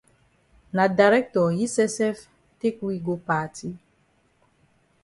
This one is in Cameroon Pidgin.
Na dirctor yi sef sef take we go party.